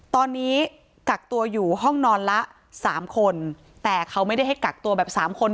ตอนนี้กักตัวอยู่ห้องนอนละสามคนแต่เขาไม่ได้ให้กักตัวแบบสามคน